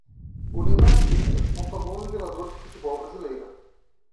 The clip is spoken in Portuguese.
O Neymar Jr é um famoso jogador de futebol brasileiro.